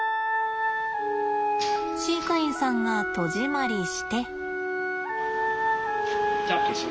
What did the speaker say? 飼育員さんが戸締まりして。